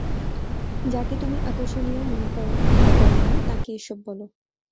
যাকে তুমি আকর্ষণীয় মনে কর না তাকে এসব বল।